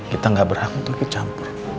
kita nggak beranggota dicampur